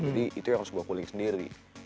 jadi itu yang harus gue kulik sendiri